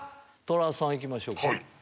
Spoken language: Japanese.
トラさん行きましょうか。